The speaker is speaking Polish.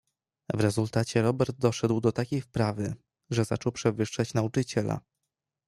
"W rezultacie Robert doszedł do takiej wprawy, że zaczął przewyższać nauczyciela."